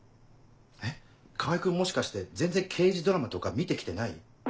えっ川合君もしかして全然刑事ドラマとか見て来てない？